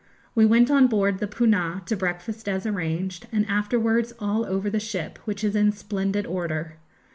We went on board the 'Poonah' to breakfast as arranged, and afterwards all over the ship, which is in splendid order.